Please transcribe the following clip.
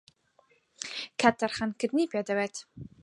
کات تەرخانکردنی پێدەوێت